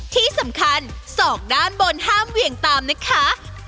ที่สำคัญศอกด้านบนห้ามเหวี่ยงตามนะคะ